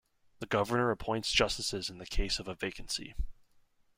The Governor appoints Justices in the case of a vacancy.